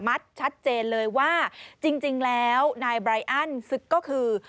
ชัดเจนเลยว่าจริงแล้วนายไบรอันซึกก็คือ